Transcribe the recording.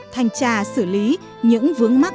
thanh tra xử lý những vướng mắc